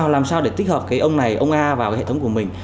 làm sao để tích hợp cái ông này ông a vào cái hệ thống của mình